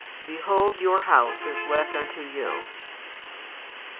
Behold your house is left unto you.